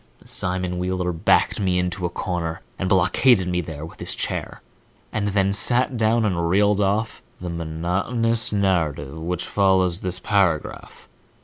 Simon Wheeler backed me into a corner and blockaded me there with his chair, and then sat me down and reeled off the monotonous narrative which follows this paragraph.